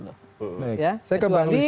saya ke bang lusius dulu